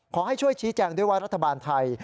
ขอให้ช่วยชี้แจงด้วยว่ารัฐบาลไทย